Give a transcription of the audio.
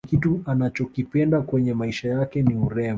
kitu anachokipenda kwenye maisha yake ni urembo